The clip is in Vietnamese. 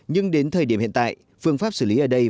nhưng đến thời điểm hiện tại phương pháp xử lý ở đây